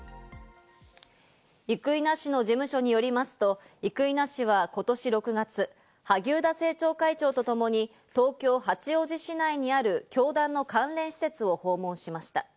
生稲氏の事務所によりますと、生稲氏は今年６月、萩生田政調会長とともに東京・八王子市内にある教団の関連施設を訪問しました。